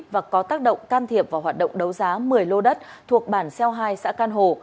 và có tác động can thiệp vào hoạt động đấu giá một mươi lô đất thuộc bản xeo hai xã can hồ